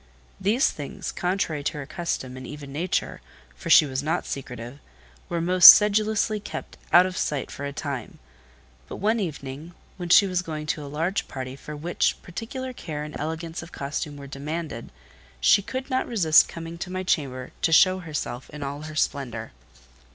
These things, contrary to her custom, and even nature—for she was not secretive—were most sedulously kept out of sight for a time; but one evening, when she was going to a large party for which particular care and elegance of costume were demanded, she could not resist coming to my chamber to show herself in all her splendour.